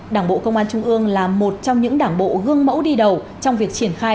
đảng bộ công an trung ương là một trong những đảng bộ gương mẫu đi đầu trong việc triển khai